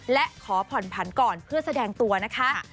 และขอผ่อนผันก่อนเพื่อแสดงตัวนะคะ